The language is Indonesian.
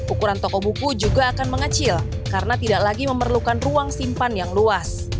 ukuran toko buku juga akan mengecil karena tidak lagi memerlukan ruang simpan yang luas